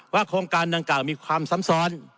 ว่าโครงการนำการมีความซ้ำซ้อน